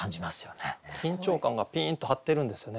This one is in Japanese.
緊張感がピーンと張ってるんですよね。